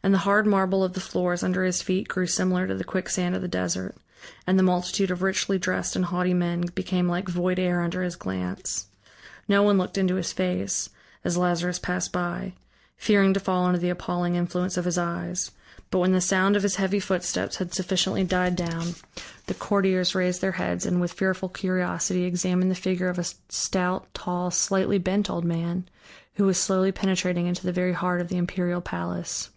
And the hard marble of the floors under his feet grew similar to the quicksand of the desert, and the multitude of richly dressed and haughty men became like void air under his glance. No one looked into his face, as Lazarus passed by, fearing to fall under the appalling influence of his eyes; but when the sound of his heavy footsteps had sufficiently died down, the courtiers raised their heads and with fearful curiosity examined the figure of a stout, tall, slightly bent old man, who was slowly penetrating into the very heart of the imperial palace.